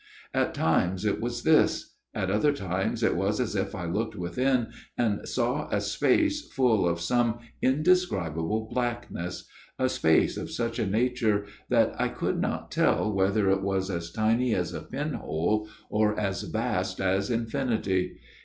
At times it was this ; at other times it was as if I looked within and saw a space full of some indescribable blackness a space of such a nature that I could not tell whether it was as tiny as a pinhole or as vast as infinity.